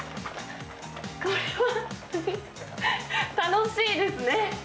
これは楽しいですね！